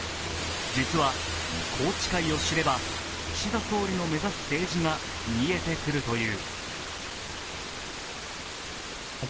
実は、宏池会を知れば岸田総理の目指す政治が見えてくるという。